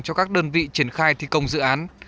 cho các đơn vị triển khai thi công dự án